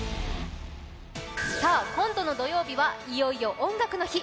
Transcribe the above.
さあ今度の土曜日はいよいよ「音楽の日」